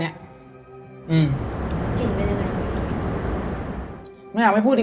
เมื่อกี้อุปสรรพ์ไม่พูดไง